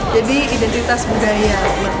jadi identitas budaya